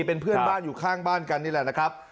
เป็นเพื่อนบ้านอยู่ข้างบ้านกันนี่แหละนะครับ